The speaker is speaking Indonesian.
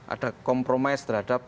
ada kompromis terhadap